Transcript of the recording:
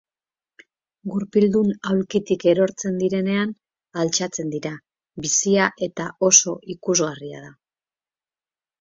Gurpildun ahulkitik erortzen direnean altxatzen dira, bizia eta oso ikusgarria da.